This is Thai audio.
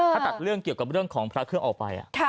ถ้าตัดเรื่องเกี่ยวกับเรื่องของพระเครื่องออกไป